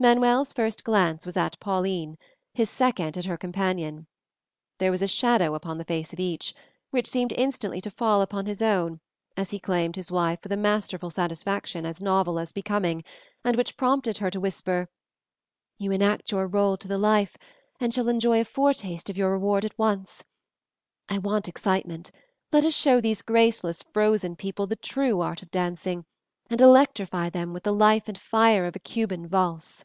Manuel's first glance was at Pauline, his second at her companion; there was a shadow upon the face of each, which seemed instantly to fall upon his own as he claimed his wife with a masterful satisfaction as novel as becoming, and which prompted her to whisper, "You enact your role to the life, and shall enjoy a foretaste of your reward at once. I want excitement; let us show these graceless, frozen people the true art of dancing, and electrify them with the life and fire of a Cuban valse."